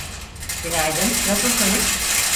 Günaydın, nasılsınız?